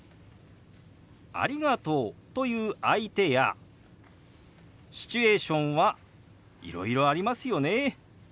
「ありがとう」と言う相手やシチュエーションはいろいろありますよね。